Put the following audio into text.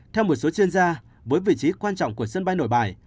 theo một số chuyên gia với vị trí quan trọng của sân bay nội bài